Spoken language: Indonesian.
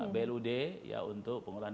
blud untuk pengolahan